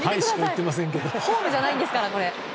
ホームじゃないんですから。